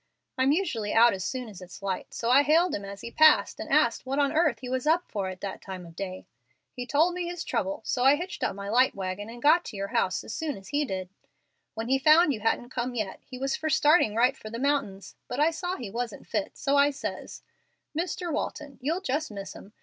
I'm usually out as soon as it's light, so I hailed him as he passed and asked what on earth he was up for at that time of day. He told me his trouble, so I hitched up my light wagon and got to your house as soon as he did. When he found you hadn't come yet, he was for starting right for the mountains, but I saw he wasn't fit, so I says, 'Mr. Walton, you'll just miss 'em.